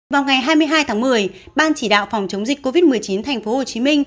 vào ngày hai mươi hai tháng một mươi ban chỉ đạo phòng chống dịch covid một mươi chín tp hcm